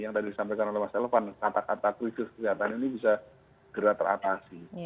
yang tadi disampaikan oleh mas elvan kata kata krisis kesehatan ini bisa segera teratasi